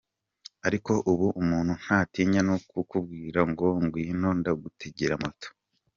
Ariko ubu umuntu ntatinya no kukubwira ngo ngwino, ndagutegera Moto.